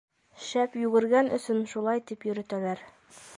Шәп йүгергән өсөн шулай тип йөрөтәләр.